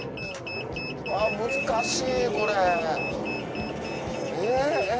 あ難しいこれ。